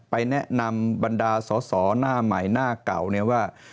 ไปแนะนำบรรดาสสหน้าใหม่หน้าเก่าว่า